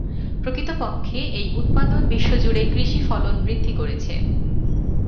প্রকৃতপক্ষে, এই উৎপাদন বিশ্বজুড়ে কৃষি ফলন বৃদ্ধি করেছে।